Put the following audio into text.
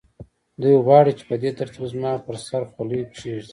دوی غواړي چې په دې ترتیب زما پر سر خولۍ کېږدي